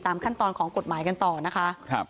ขั้นตอนของกฎหมายกันต่อนะคะ